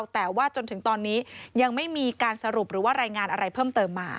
แต่ว่าจนถึงตอนนี้ยังไม่มีการสรุปหรือว่ารายงานอะไรเพิ่มเติมมา